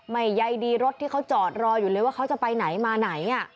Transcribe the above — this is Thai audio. ใยดีรถที่เขาจอดรออยู่เลยว่าเขาจะไปไหนมาไหน